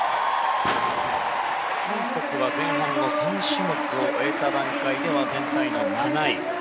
韓国は前半の３種目を終えた段階で全体７位。